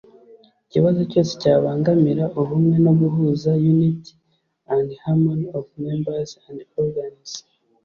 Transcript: ikibazo cyose cyabangamira ubumwe no guhuza unit and harmony of members and organs